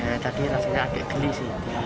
ya tadi rasanya agak gelis